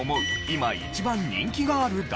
今一番人気がある男性